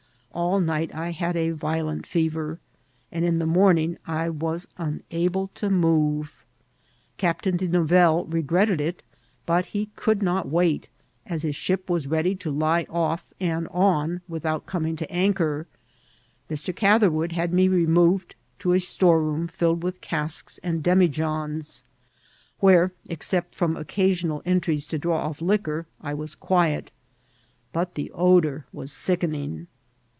All night I had a violent fever, and in the morning I was unable to move. Captain De Nou velle regretted it, but he could not wait, as his ship was ready to lie off and on without coming to anchor. Mr. Catherwood had me removed to a storeroom filled with casks and demijohns, where, except from occasiixial PITIE AND AeVI. S15 entries to draw off liquoTy I was quiet ; but the odour was sickening.